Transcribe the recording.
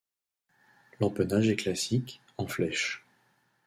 L’empennage est classique, en flèche.